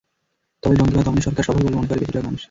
তবে জঙ্গিবাদ দমনে সরকার সফল বলে মনে করেন বেশির ভাগ মানুষ।